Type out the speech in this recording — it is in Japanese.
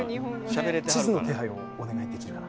地図の手配をお願いできるかな。